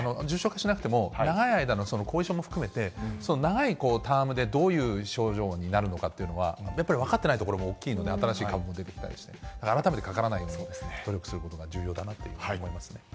重症化しなくても、長い間の後遺症も含めて、長いタームで、どういう症状になるのかというのは、やっぱり分かってないところも大きいので、新しい株も出てきたりして、改めて、かからないように努力することが重要だなと思います。